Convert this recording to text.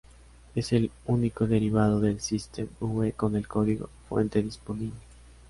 Es el único derivado del System V con el código fuente disponible.